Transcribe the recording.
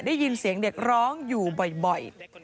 ได้ยินเสียงเด็กร้องอยู่บ่อย